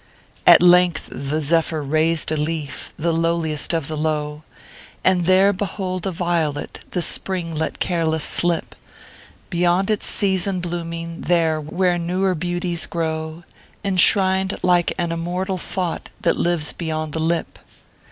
At length the zephyr raised a leaf, the lowliest of the low, And there, behold a Violet the Spring let careless slip ; Beyond its season blooming there where newer beauties grow, Enshrined like an immortal thought that lives beyond the lip.